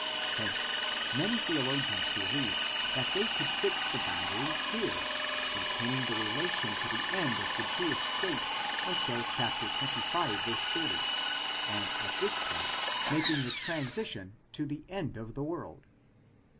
Hence many theologians believed that they could fix the boundary here, retaining the relation to the end of the Jewish state until xxv. 30, and at this point making the transition to the end of the world.